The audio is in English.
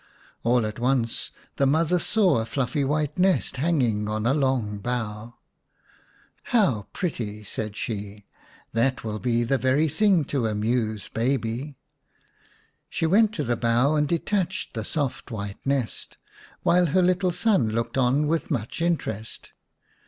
All at once the mother saw a fluffy white nest hanging on a long bough. 68 vii The Three Little Eggs " How pretty !" said she. " That will be the very thing to amuse baby." She went to the bough and detached the soft white nest, while her little son looked on with much interest.